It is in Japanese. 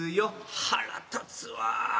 腹立つわぁ。